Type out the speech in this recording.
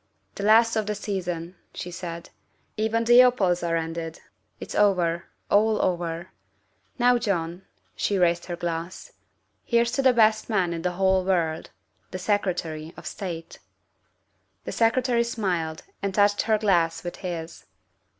" The last of the season," she said; " even the opals are ended. It's over all over. Now, John," she raised her glass, " here's to the best man in the whole world the Secretary of State." The Secretary smiled and touched her glass with his.